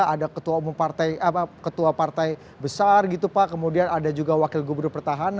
ada ketua partai besar gitu pak kemudian ada juga wakil gubernur pertahanan